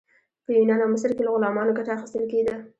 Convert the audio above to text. په یونان او مصر کې له غلامانو ګټه اخیستل کیده.